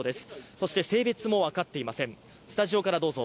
そして性別も分かっていません。